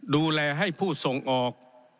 ดูแลให้ผู้ส่งออก